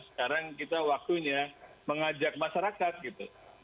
sekarang kita waktunya mengajak masyarakat gitu